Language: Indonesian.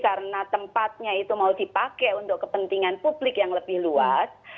karena tempatnya itu mau dipakai untuk kepentingan publik yang lebih luas